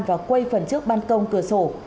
và quây phần trước ban công cửa sổ